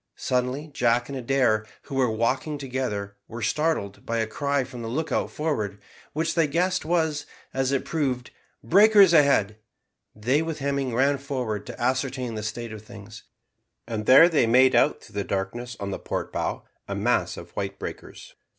Suddenly, Jack and Adair, who were walking together, were startled by a cry from the lookout forward, which they guessed was, as it proved, "Breakers ahead." They, with Hemming, ran forward to ascertain the state of things, and there they made out through the darkness on the port bow amass of white breakers.